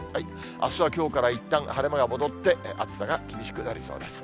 あすはきょうからいったん晴れ間が戻って、暑さが厳しくなりそうです。